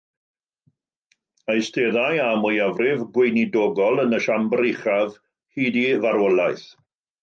Eisteddai â mwyafrif gweinidogol yn y siambr uchaf hyd ei farwolaeth.